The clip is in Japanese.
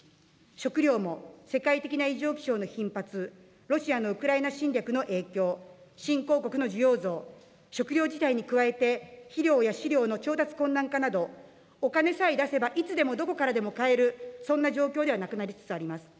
食料も世界的な異常気象の頻発、ロシアのウクライナ侵略の影響、新興国の需要増、食料自体に加えて、肥料や飼料の調達困難化など、お金さえ出せばいつでもどこからでも買えるそんな状況ではなくなりつつあります。